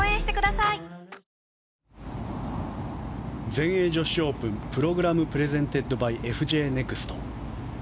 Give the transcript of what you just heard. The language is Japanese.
全英女子オープンＰｒｏｇｒａｍｐｒｅｓｅｎｔｅｄｂｙＦＪネクスト。